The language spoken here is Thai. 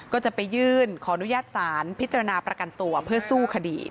ก็จะไปยื่นขออนุญาตสารพิจารณาประกันตัวเพื่อสู้คดี